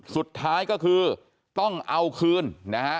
สุดท้ายก็คือต้องเอาคืนนะฮะ